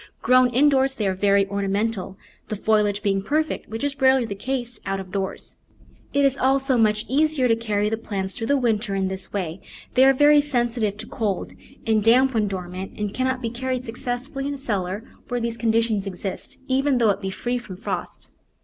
Grown indoors they are very ornamental, the foliage being perfect, which is rarely the case out of doors. It is also much easier to carry the plants through the winter in this way; as they are very sensitive to cold and damp when dormant and cannot be carried suc Digitized by Google 146 The Flower Garden cessfully in a cellar where these conditions exist, even though it be free from frost.